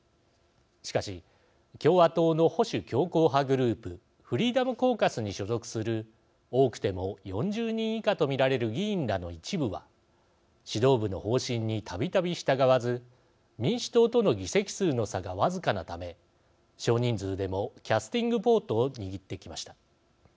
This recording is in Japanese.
しかし、共和党の保守強硬派グループフリーダム・コーカスに所属する多くても４０人以下と見られる議員らの一部は指導部の方針に、たびたび従わず民主党との議席数の差が僅かなため、少人数でもキャスティング・ボートを握ってきました。